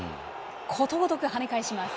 ことごとく跳ね返します。